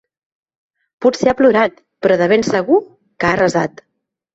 Potser ha plorat; però de ben segur que ha resat.